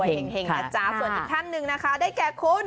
ส่วนอีกท่านหนึ่งนะคะ